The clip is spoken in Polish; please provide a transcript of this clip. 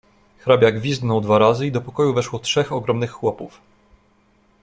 "Hrabia gwizdnął dwa razy i do pokoju weszło trzech ogromnych chłopów."